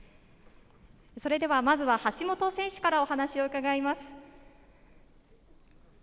まずは橋本選手からお話を伺います。